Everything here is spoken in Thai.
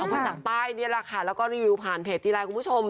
มาจากใต้นี่แหละค่ะแล้วก็รีวิวผ่านเพจทีไลน์คุณผู้ชม